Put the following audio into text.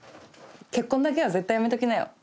結婚だけは絶対やめときなよ。